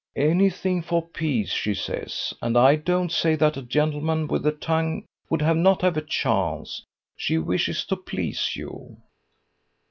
"'Anything for peace', she says: and I don't say that a gentleman with a tongue would not have a chance. She wishes to please you."